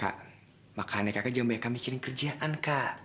kak makanya kakak jauh lebih banyak mikirin kerjaan kak